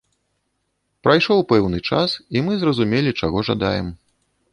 Прайшоў пэўны час і мы зразумелі чаго жадаем.